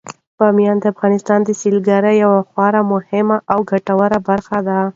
بامیان د افغانستان د سیلګرۍ یوه خورا مهمه او ګټوره برخه ده.